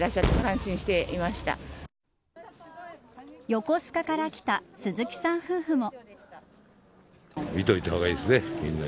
横須賀から来た鈴木さん夫婦も。